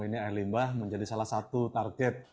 ini air limbah menjadi salah satu target